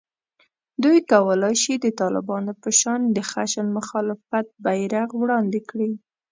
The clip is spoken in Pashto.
دوی کولای شي د طالبانو په شان د خشن مخالفت بېرغ وړاندې کړي